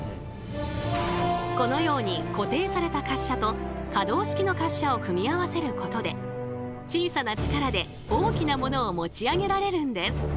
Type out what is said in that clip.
このように固定された滑車と可動式の滑車を組み合わせることで小さな力で大きなものを持ち上げられるんです。